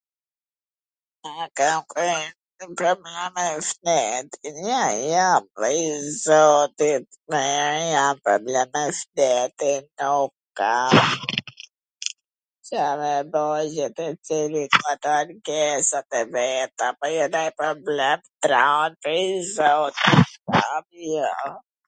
Pwr zotin probleme me shnetin nuk kam, Ca me ba, cecili ka ato ankesat e veta, apo nanj problem, po lavdi zotit t rand jo ... jo, jo, problem me shmnetin nuk kam....